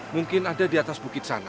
mungkin ada di atas bukit sana